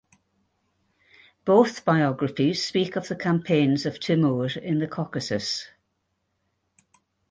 Both biographies speak of the campaigns of Timur in the Caucasus.